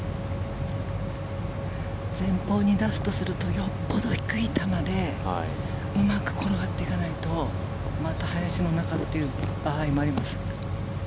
前方に出すとするとよっぽど低い球でうまく転がっていかないとまた林の中という場合もあります。